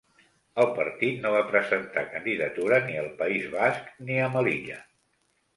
El partit no va presentar candidatura ni al País Basc, ni a Melilla.